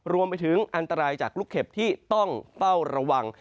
รวมไปถึงอันตรายจากลูกเข็บที่ต้องเฝ้าระวัง